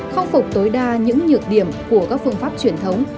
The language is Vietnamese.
khắc phục tối đa những nhược điểm của các phương pháp truyền thống